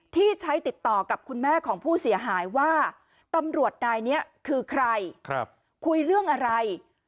ที่ใช้ติดต่อกับคุณแม่ของผู้เสียหายว่าตำรวจนายนี้คือใครคุยเรื่องอะไร